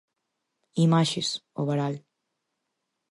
Imaxes: O varal.